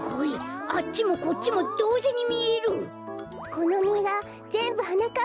このみがぜんぶはなかっ